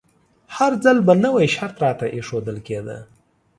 هر ځل به نوی شرط راته ایښودل کیده.